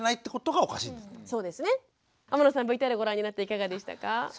天野さんＶＴＲをご覧になっていかがでしたか？